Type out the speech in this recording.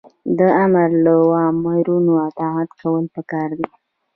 د آمر له اوامرو اطاعت کول پکار دي.